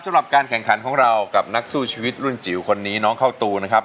สำหรับการแข่งขันของเรากับนักสู้ชีวิตรุ่นจิ๋วคนนี้น้องเข้าตูนะครับ